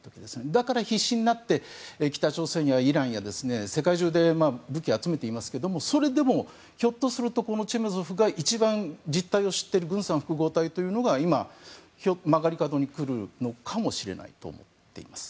だから必死になって北朝鮮やイランや世界中で武器を集めていますけれどもそれでも、ひょっとするとこのチェメゾフが一番実態を知っている軍産複合体というのが今、曲がり角に来るのかもしれないと思っています。